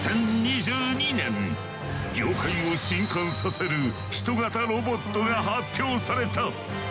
業界を震撼させる人型ロボットが発表された。